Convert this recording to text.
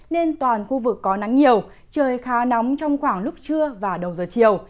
nên toàn khu vực có nắng nhiều trời khá nóng trong khoảng lúc trưa và đầu giờ chiều